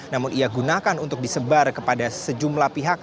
namun ia gunakan untuk disebar kepada sejumlah pihak